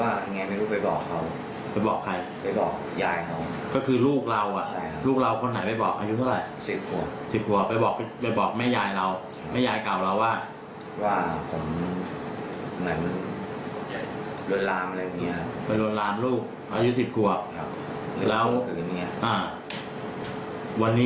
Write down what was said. อ่าวันนี้หรือว่าวันไหนไม่ได้ล่วงละเมิดทางเพศ